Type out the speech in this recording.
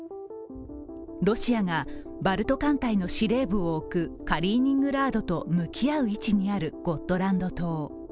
ロシアがバルト艦隊の司令部を置くカリーニングラードと向き合う位置にあるゴットランド島。